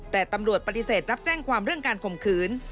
แต่ตำรวจปฏิเสธรับแจ้งความเรื่องการข่มขืน